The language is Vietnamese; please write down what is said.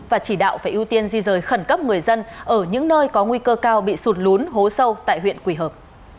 và chỉ đạo phải ưu tiên di rời khẩn cấp người dân ở những nơi có nguy cơ cao bị sụt lún hố sâu tại huyện quỳ hợp